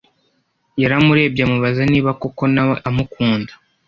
Yaramurebye amubaza niba koko nawe amukunda